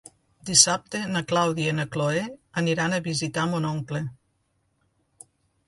Dissabte na Clàudia i na Cloè aniran a visitar mon oncle.